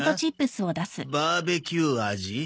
「バーベキュー味」？